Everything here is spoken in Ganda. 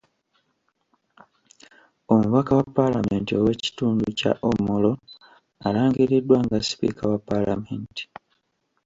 Omubaka wa Paalamenti ow’ekitundu kya Omoro alangiriddwa nga Sipiika wa Paalamenti.